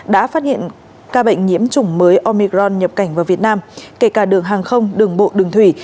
đã phát hiện ca bệnh nhiễm chủng mới omegron nhập cảnh vào việt nam kể cả đường hàng không đường bộ đường thủy